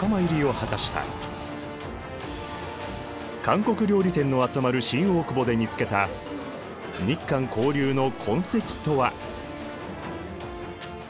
韓国料理店の集まる新大久保で見つけた日韓交流の痕跡とは？